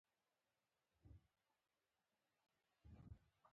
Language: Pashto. ژوندي د عمر قدر کوي